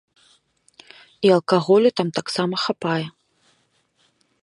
І алкаголю там таксама хапае.